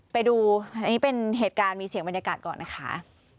ไปดูอันนี้เป็นเหตุการณ์มีเสียงบรรยากาศก่อนนะคะ